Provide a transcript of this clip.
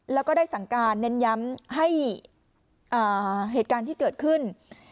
แล้วก็ได้สั่งการเน้นย้ำให้เหตุการณ์ที่เกิดขึ้น